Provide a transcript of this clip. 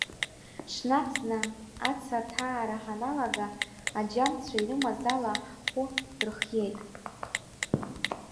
Ҽнак зны, ацаҭаара ҳаналга, аџьамцәа ирымаз ала ҳхәы дырхиеит.